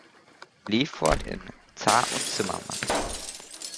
Lefort in "Zar und Zimmermann".